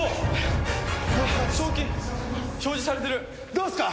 どうっすか？